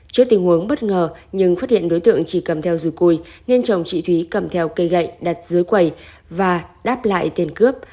trước tình huống bất ngờ nhưng phát hiện đối tượng chỉ cầm theo dù cùi nên chồng chị thúy cầm theo cây gậy đặt dưới quầy và đáp lại tiền cướp